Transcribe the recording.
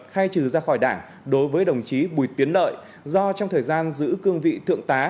khai trừ ra khỏi đảng đối với đồng chí bùi tiến lợi do trong thời gian giữ cương vị thượng tá